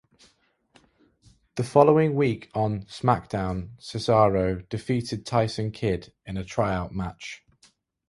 The following week on "SmackDown", Cesaro defeated Tyson Kidd in a tryout match.